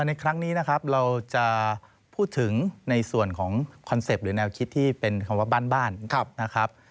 ในครั้งนี้นะครับเราจะพูดถึงในส่วนของคอนเซ็ปต์หรือแนวคิดที่เป็นคำว่าบ้านนะครับ